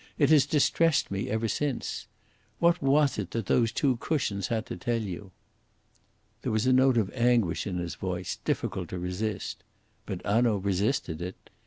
It has distressed me ever since. What was it that those two cushions had to tell you?" There was a note of anguish in his voice difficult to resist. But Hanaud resisted it.